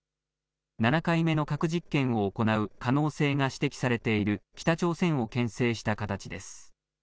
７回目の核実験を行う可能性が指摘されている北朝鮮をけん制した形です。